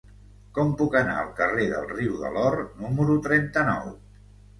Com puc anar al carrer del Riu de l'Or número trenta-nou?